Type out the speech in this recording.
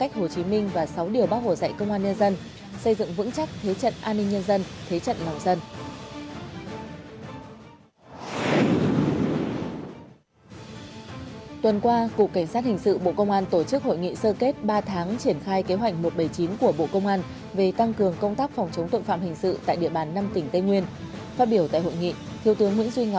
cục cảnh sát hình sự bộ công an tổ chức hội nghị sơ kết ba tháng triển khai kế hoạch một trăm bảy mươi chín của bộ công an về tăng cường công tác phòng chống